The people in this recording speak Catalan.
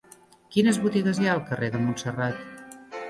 Quines botigues hi ha al carrer de Montserrat?